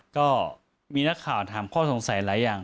ก็มีนักข่าวถามข้อสงสัยหลายอย่าง